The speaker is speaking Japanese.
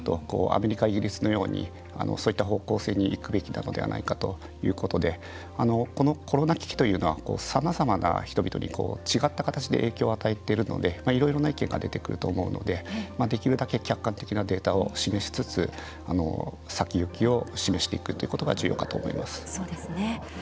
アメリカ、イギリスのようにそういった方向性にいくべきなのではないかということでコロナ危機というのはさまざまな人々に違った形で影響を与えているのでいろんな意見が出てくると思うのでできるだけ客観的なデータを示しつつ先行きを示していくということが重要かと思います。